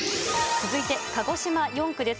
続いて、鹿児島４区です。